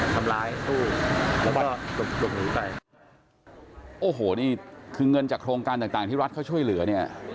ทำร้ายตู้แล้วก็หลบหนีไปโอ้โหนี่คือเงินจากโครงการต่างต่างที่รัฐเขาช่วยเหลือเนี่ย